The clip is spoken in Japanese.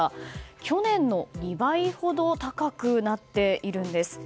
去年の２倍ほど高くなっているんです。